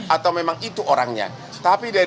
apakah itu bisa dikatakan